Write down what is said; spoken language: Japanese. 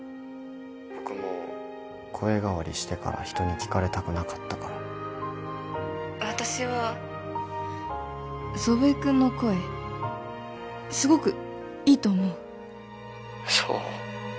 僕も声変わりしてから人に聞かれたくなかったから☎私は祖父江君の声すごくいいと思う☎そう？